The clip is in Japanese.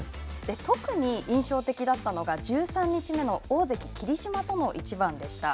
特に印象的だったのが１３日目の大関・霧島との一番でした。